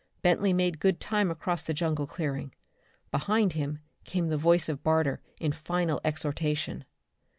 Bentley made good time across the jungle clearing. Behind him came the voice of Barter in final exhortation.